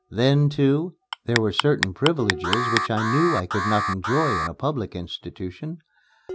Then, too, there were certain privileges which I knew I could not enjoy in a public institution.